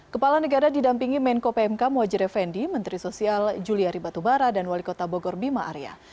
kepala negara didampingi menko pmk muhajir effendi menteri sosial juliari batubara dan wali kota bogor bima arya